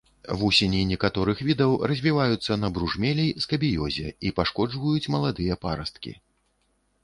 Вусені некаторых відаў развіваюцца на бружмелі, скабіёзе і пашкоджваюць маладыя парасткі.